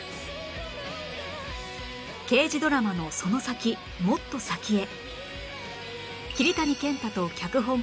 刑事ドラマのその先もっと先へ！！